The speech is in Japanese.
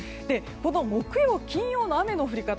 この木曜、金曜の雨の降り方